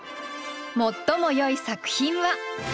最もよい作品は。